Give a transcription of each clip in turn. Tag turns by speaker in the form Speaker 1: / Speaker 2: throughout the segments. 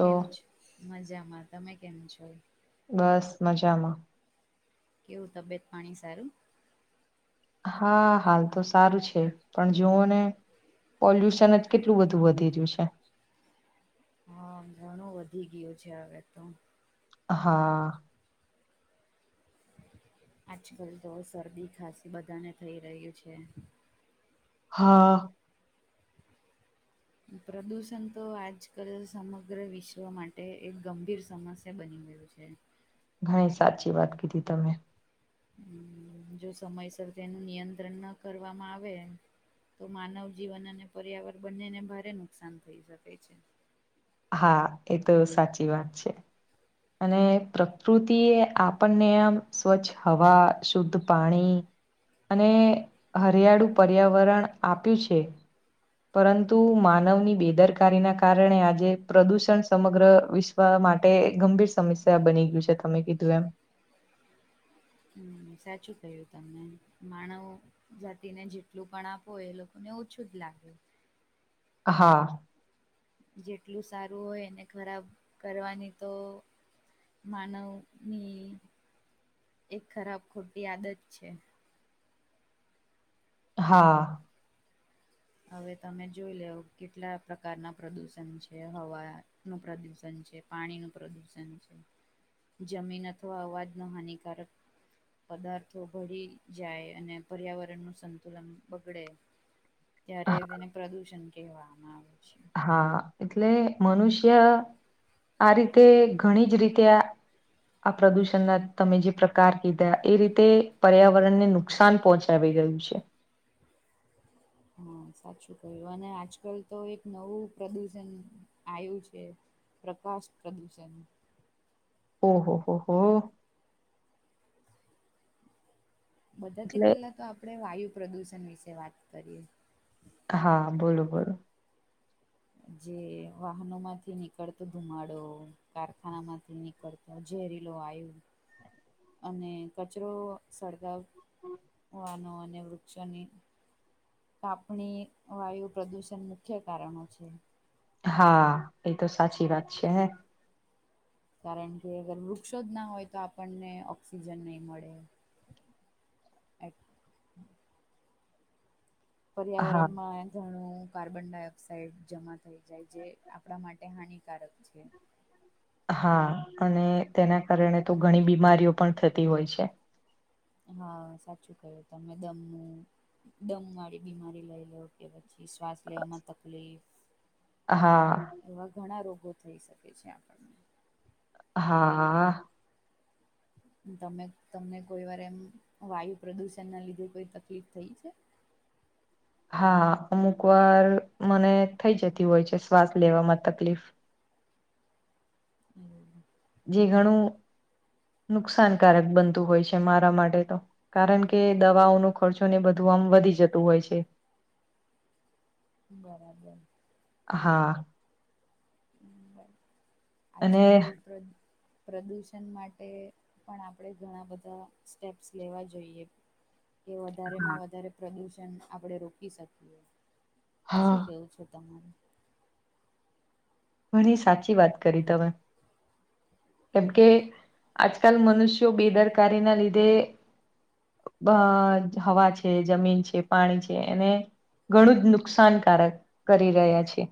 Speaker 1: કેમ છો, મજામાં, તમે કેમ છો?
Speaker 2: બસ મજામાં,
Speaker 1: કેવું તબિયત પાણી સારું?
Speaker 2: હા, હાલ તો સારું છે, પણ જુઓ ને પોલ્યુશન જ કેટલું બધું વધી રહ્યું છે.
Speaker 1: હા, ઘણું વધી ગયું છે હવે તો
Speaker 2: હા,
Speaker 1: આજકાલ તો શરદી ખાસી બધાને થઈ રહ્યું છે.
Speaker 2: હા,
Speaker 1: પ્રદૂષણ તો આજ કલ સમગ્ર વિશ્વ માટે એક ગંભીર સમસ્ય તે બની ગયું છે.
Speaker 2: ઘણી સાચી વાત કીધી તમે,
Speaker 1: જો સમયસર તેનું નિયંત્રણ ન કરવામાં આવે, તો માનવ જીવન અને પર્યાવરણ બંનેને ભારે નુકસાન થઈ શકે છે.
Speaker 2: હા એ તો સાચી વાત છે. અને પ્રકૃતિ એ આપણને આમ સ્વચ્છ હવા શુદ્ધ પાણી અને હરિયાળુ પર્યાવરણ આપ્યું છે. પરંતુ માનવની બેદરકારીના કારણે આજે પ્રદુષણ સમગ્ર વિશ્વ માટે ગંભીર સમસ્યા બની ગયું છે, તમે કીધું એમ
Speaker 1: સાચું ક્યું તમને માણાવો જાતિને જેટલું પણ આપો એ લોકોને ઓછું જ લાગે,
Speaker 2: હા,
Speaker 1: જેટલું સારું હોય એને ખરાબ કરવાની તો માનવ ની એક ખરાબ ખોટી આદત છે.
Speaker 2: હા,
Speaker 1: હવે તમે જોઈ લેવ કેટલા પ્રકારના પ્રદુષણ છે હવા નું પ્રદૂષણ છે પાણી નું પ્રદુષણ છે. જમીન અથવા અવાજનો હાનિકારક પદાર્થો ભળી જાય અને પર્યાવરણનું સંતુલન બગડે. ત્યારે
Speaker 2: હા
Speaker 1: તેને પ્રદુષણ કહેવામાં આવે છે.
Speaker 2: હા એટલે મનુષ્ય આ રીતે ઘણી જ રીતે આ પ્રદુષણના તમે જે પ્રકાર કીધા એ રીતે પર્યાવરણ ને નુ નુકસાન પહોંચાડી રહય્યું છે.
Speaker 1: હા સાચું ક્યું અને આજકાલ તો એક નવું પ્રદુષણ આવુ છે, પ્રકાશ પ્રદૂષણ.
Speaker 2: ઓહો હો હો.
Speaker 1: બધાથી
Speaker 2: એટલે
Speaker 1: પહેલા તો આપડે વાયુ પ્રદૂષણ વિશે વાત કરીએ.
Speaker 2: હા બોલો બોલો.
Speaker 1: જે વાહનો માંથી નીકળતો ધુમાડો, કારખાના માંથી નીકળતો જેરીલો વાયુ. અને કચરો સળગાવ વનો અને વૃક્ષોની કાપણી વાયુ પ્રદૂષણ મુખ્ય કારણો છે.
Speaker 2: હા એ તો સાચી વાત છે હે.
Speaker 1: કારણ કે અગર વૃક્ષો જ ના હોય તો આપણને ઓક્સિજન નહીં મળે.
Speaker 2: હા
Speaker 1: પર્યાવરણ માં ઘણું કાર્બનડાયોક્સાઇડ જમા થઈ જાય જે આપણા માટે હાનિકારક છે.
Speaker 2: હા અને તેના કારણે તો ઘણી બીમારીઓ પણ થતી હોય છે.
Speaker 1: હા સાચું કહ્યુ તમે દમું દમ વાળી બીમારી લઈ લ કે પછી શ્વાસ લેવામાં તકલીફ.
Speaker 2: હા.
Speaker 1: એવા ઘણા રોગો થઈ શકે છે આપણને.
Speaker 2: હા.
Speaker 1: તમે તમને કોઈ વાર એમ વાયુ પ્રદુષણ ના લીધે કોઈ તકલીફ થઈ છે?
Speaker 2: હા અમુક વાર મને થઈ જતી હોય છે શ્વાસ લેવામાં તકલીફ.
Speaker 1: હમ.
Speaker 2: જે ઘણું નુકસાનકારક બનતું હોય છે મારા માટે તો. કારણ કે દવાઓ ન ખર્ચો ને બધું આમ વધી જતું હોય છે.
Speaker 1: બરાબર.
Speaker 2: હા. અને
Speaker 1: આજકલ પ્ર પ્રદૂષણ માટે પણ આપણે ઘણા બધા સ્ટેપ્સ લેવા જોઈએ. કે વધારેમાં વધારે પ્રદુષણ આપણે રોકી શકીએ.
Speaker 2: હા
Speaker 1: શું કેવું છું તમારૂ?
Speaker 2: ઘણી સાચી વાત કરી તમે. કેમ કે આજકાલ મનુષ્યો બેદરકારી ના લીધે હવા છે જમીન છે પાણી છે એને ઘણું જ નુકસાનકારક કરી રહ્યા છે.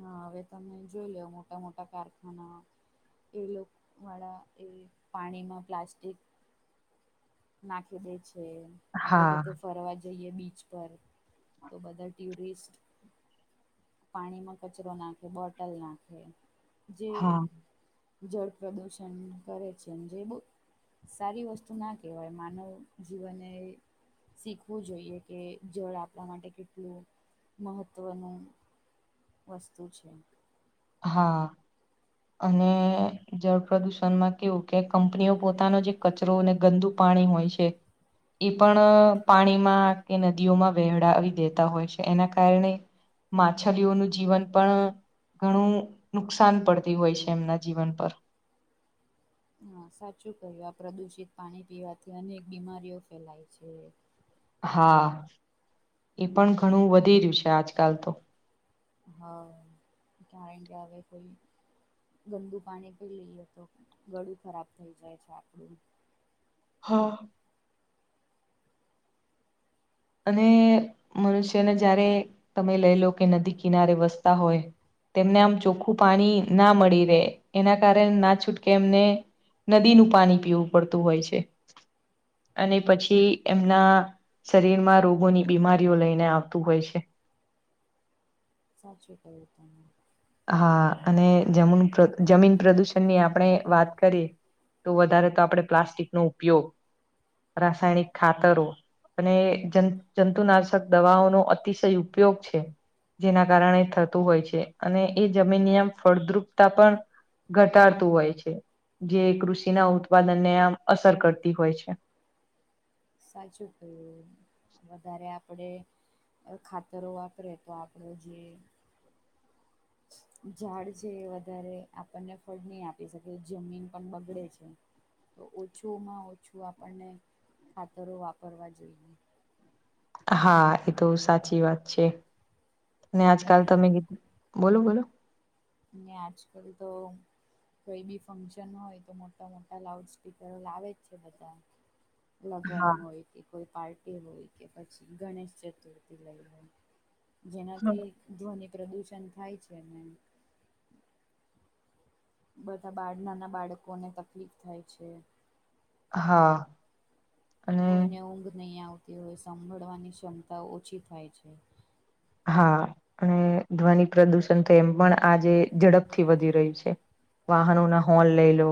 Speaker 1: હા હવે તમે જોઈ લો મોટા મોટા કારખાના. એ લોકો વાળા એ પાણીમાં પ્લાસ્ટિક નાખી દે છે આપડે
Speaker 2: હા
Speaker 1: કેીતે ફરવા જઈએ બીચ પર તો બધા ટ્યુરિસ્ટ પાણીમાં કચરો નાખે બોટલ નાખે જે
Speaker 2: હા
Speaker 1: જળ પ્રદૂષણ કરે છે જે બ સારી વસ્તુ નાખ કહેવાય માનવ જીવન શીખવું જોઈએ કે જળ આપણા માટે કેટલું મહત્ત્વનું વસ્તુ છે.
Speaker 2: હા. અને જળ પ્રદુષણમાં કેવું કે કંપનીઓ પોતાનો જે કચરોને ગંદુ પાણી હોય છે. એ પણ અ પાણીમાં કે નદીઓમાં વહેહડાવી દેતા હોય છે એના કારણે માછલીઓનું જીવન પણ ઘણું નુકસાન પડતી હોય છે એમના જીવન પર.
Speaker 1: હ, સાચું કહ્યું આ પ્રદુષિત પાણી પીવાથી અનેક બીમારીઓ ફેલાય છે.
Speaker 2: હા, એ પણ ઘણું વધી રહ્યું છે આજકાલતો.
Speaker 1: હા, [unintelligible] કોઈ. ગંદુ પાણી પી લઈએ તો ગળું ખરાબ થઈ જાય છે આપણું.
Speaker 2: હા. અને મનુષ્યને જયારે તમે લઈ લો કે નદી કિનારે વસતા હોય. તેમને આમ ચોખ્ખું પાણી ના મળી રેય એના કારણે ના છૂટકે એમને નદીનું પાણી પીવું પડતું હોય છે અને પછી એમના શરીરમાં રોગોની બીમારીઓ લઈને આવતું હોય છે.
Speaker 1: સાચી કયુ તમે.
Speaker 2: હા, અને જમીન જમીન પ્રદૂષણની આપણે વાત કરી. તો વધારે તો આપણે પ્લાસ્ટિકનો ઉપયોગ રાસાયણિક ખાતરો. એમને જ જંતુનાશક દવાઓનો અતિશય ઉપયોગ છે. જેના કારણે થતું હોય છે અને એ જમીન નિયમ ફળદ્રુપતા પણ ઘટાડતું હોય છે જે કૃષિના ઉત્પાદનને આમ અસર કરતી હોય છે.
Speaker 1: સાચું કહ્યું. વધારે આપડે ખાતરો વાપરે તો આપરો જે ઝાડ છે એ વધારે આપણને ફળની આપી શકે જમીન પણ બગડે છે. તો ઓછુંમાં ઓછું આપણને ખાતરો વાપરવા જોઈએ.
Speaker 2: હા, એ તો સાચી વાત છે આજકાલ
Speaker 1: અને
Speaker 2: તમે ગી બોલો બોલો.
Speaker 1: અને આજકાલ તો. કોઈ બી ફંક્શન હોય તો મોટા મોટા લાઉડ સ્પીકરો લાવે જ છે બધા. લગન
Speaker 2: હા
Speaker 1: હોય. કે કોઈ પાર્ટી હોય કે પછી ગણેશ ચતુર્થી લઈ હોય જેનાથી ધ્વનિ પ્રદુષણ થાય છેને. બધા બાળ નાના બાળકોને તકલીફ થાય છે.
Speaker 2: હા. અને
Speaker 1: કોઈને ઊંઘ નઈ આવતી હોય સાંભળવાની ક્ષમતા ઓછી થાય છે.
Speaker 2: હા, અને ધ્વનિ પ્રદુષણ તો એમ પણ આજે ઝડપથી વધી રહ્યું છે. વાહનોના હોન લઈ લો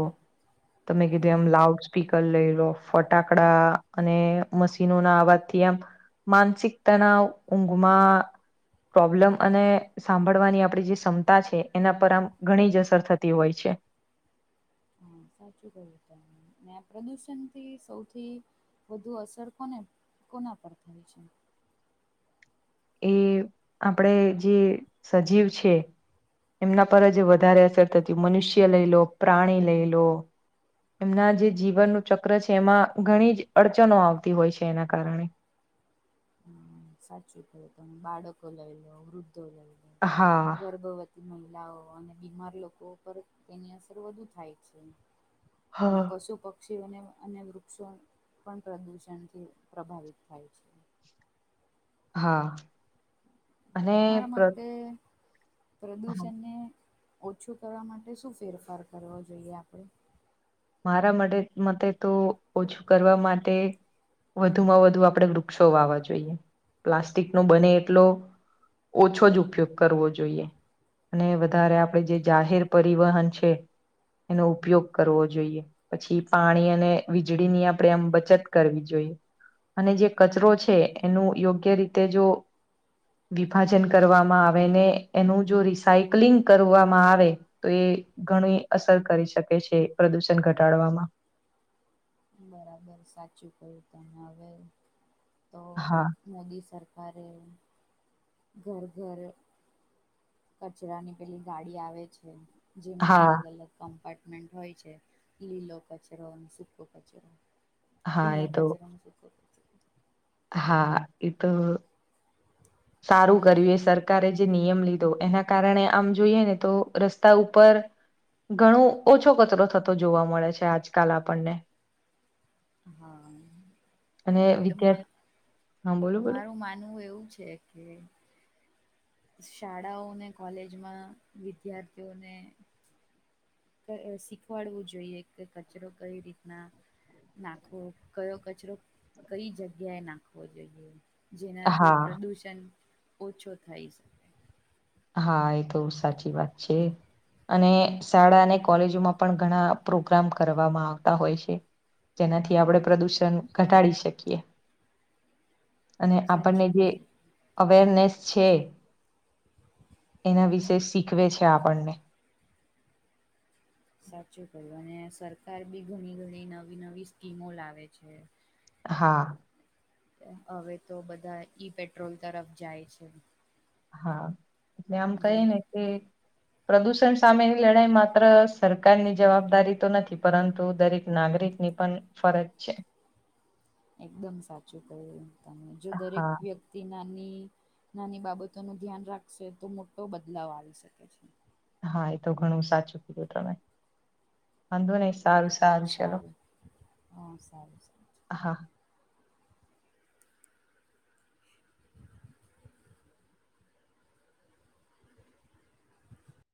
Speaker 2: તમે કીધું એમ
Speaker 1: હા
Speaker 2: લાઉજ. સ્પીકર લઈ લો ફટાકડા અને મશીનોના અવાજથી એમ માનસિક તણાવ ઉઘમાં પ્રોબ્લેમ અને સાંભળવાની આપણી જે ક્ષમતા છે એના પર આમ ઘણી જ અસર થતી હોય છે.
Speaker 1: હા, સાચું કહ્યું તમે ને આ પ્રદુષણથી સૌથી વધુ અસર કોને કોના પર થાય છે.
Speaker 2: એ આપડે જે સજીવ છે. એમના પર જ વધારે અસર થતી મનુષ્ય લઈ લો, પ્રાણી લઈ લો. એમના જે જીવનનું ચક્ર છે એમાં ઘણી જ અડચનો આવતી હોય છે એના કારણે.
Speaker 1: હમ, સાચું કહ્યું તમે બાળકો લઈ લો, વૃદ્ધો લઈ લો
Speaker 2: હા
Speaker 1: ગર્ભવ મહિલાઓ અને બીમાર લોકો પર તેની અસર વધુ થાય છે. ને
Speaker 2: હા
Speaker 1: પશુ પ પક્ષીઓને અન્ય વૃક્ષો પણ પ્રદૂષણથી પ્રભાવિત થાય છે.
Speaker 2: હા. અને
Speaker 1: તમારા
Speaker 2: પ્ર
Speaker 1: મતે
Speaker 2: હ
Speaker 1: પ્રદુષણને ઓછું કરવા માટે શું ફેરફાર કરવો જોઈએ આપણે
Speaker 2: મારા માટે મતે તો ઓછું કરવા માટે વધુ માં વધુ આપડણે વૃક્ષો વાવા જોઈએ પ્લાસ્ટિક નો બને એટલો ઓછો જ ઉપયોગ કરવો જોઈએ અને વધારે આપડે જે જાહેર પરિવહન છે એનો ઉપયોગ કરવો જોઈએ પછી પાણી અને વીજળી ની આપણે આમ બચત કરવી જોઈએ અને જે કચરો છે એનું યોગ્ય રીતે જો વિભાજન કરવામાં આવે ને એનું જો રિસાયકલિંગ કરવામાં આવે તો એ ઘણું અસર કરી શકે છે પ્રદુષણ ઘટાડવામાં
Speaker 1: બરાબર સાચું કયું તમે હવે તો
Speaker 2: હા
Speaker 1: મોદી સરકારે ઘર ઘર કચરાની પેલી ગાડી આવે છે. જેમાં
Speaker 2: હા
Speaker 1: અલગ અલગ કમ્પાર્ટમેન્ટ હોય છે લીલો કચરો અને સૂકો કચરો
Speaker 2: હા
Speaker 1: ભીનો
Speaker 2: એ તો
Speaker 1: કચરણ શું કર
Speaker 2: હા એ તો સારું કર્યું સરકારે જે નિયમ લીધો એના કારણે આમ જોઈએ ને તો રસ્તા ઉપર ઘણો ઓછો કચરો થતો જોવા મળે છે આજકાલ આપણને.
Speaker 1: હા,
Speaker 2: અને
Speaker 1: બટ
Speaker 2: વિદ્યાર્થી હા બોલો બોલો
Speaker 1: મારું માનવું એવું છે. કે શાળાઓ ને કોલેજમાં વિદ્યાર્થીઓને. શીખવાડવું જોઈએ કે કચરો કઈ રીતના નાખવો કયો કચરો કઈ જગ્યાએ નાખવો જોઈએ. જેનાથી
Speaker 2: હા
Speaker 1: પ્રદુષણ ઓછો થાય છે.
Speaker 2: હા એ તો સાચી વાત છે. અને શાળા અને કોલેજોમાં પણ ઘણા પ્રોગ્રામ કરવામાં આવતા હોય છે. જેનાથી આપડે પ્રદૂષણ ઘટાડી શકીએ, અને
Speaker 1: સાચું
Speaker 2: આપણને જે
Speaker 1: કહ્યું
Speaker 2: અવેરનેસ છે. એના વિશે શીખવે છે આપણને.
Speaker 1: સાચું કય્યું અને સરકાર બી ઘણી ઘણી નવી નવી સ્કીમો લાવે છે.
Speaker 2: હા.
Speaker 1: હવે તો બધા ઈ પેટ્રોલ તરફ જાય છે.
Speaker 2: હા, એટલે આમ કહી
Speaker 1: જેને
Speaker 2: ને કે પ્રદૂષણ સામેની લડાઈ માત્ર સરકારની જવાબદારી તો નથી પરંતુ દરેક નાગરિક ની પણ ફરજ છે.
Speaker 1: એકદમ સાચું ક તને જો દરેક
Speaker 2: હા
Speaker 1: વ્યક્તિ તે નાની નાની બાબતો નું ધ્યાન રાખશે તો મોટો બદલાવ આવી શકે છે.
Speaker 2: હા એ તો ઘણું સાચું કીધું તમે, વાંધો નહી સારું
Speaker 1: સારું, હા સારું સારું.
Speaker 2: હા.